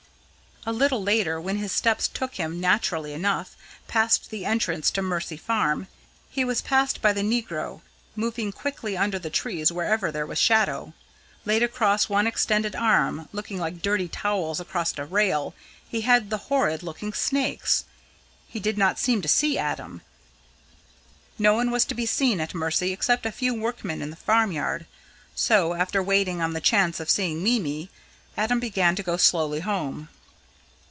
A little later, when his steps took him, naturally enough, past the entrance to Mercy Farm, he was passed by the negro, moving quickly under the trees wherever there was shadow. Laid across one extended arm, looking like dirty towels across a rail, he had the horrid looking snakes. He did not seem to see Adam. No one was to be seen at Mercy except a few workmen in the farmyard, so, after waiting on the chance of seeing Mimi, Adam began to go slowly home.